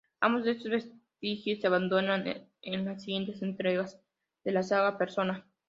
Ambos de estos vestigios se abandonaron en las siguientes entregas de la saga Persona.